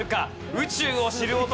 宇宙を知る男